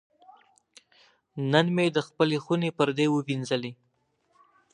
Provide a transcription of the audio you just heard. نن مې د خپلې خونې پردې وینځلې.